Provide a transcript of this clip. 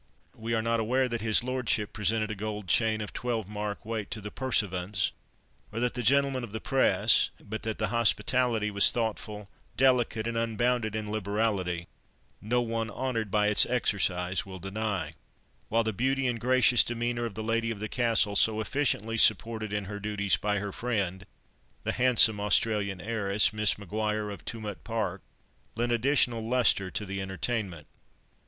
We are not aware that his Lordship presented a gold "chain of twelve mark weight" to the pursuivants, or the gentlemen of the press, but that the hospitality was thoughtful, delicate, and unbounded in liberality, no one honoured by its exercise will deny; while the beauty and gracious demeanour of the Lady of the Castle, so efficiently supported in her duties by her friend, the handsome Australian heiress, Miss Maguire of Tumut Park, lent additional lustre to the entertainment.